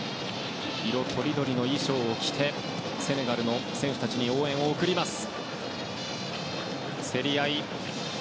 色とりどりの衣装を着てセネガルの選手たちに応援を送ります。